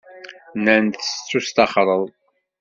- Nnan-d tettusṭaxreḍ.